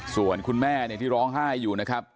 ส่วนคุณแม่ที่ร้องไห้อยู่นะครับ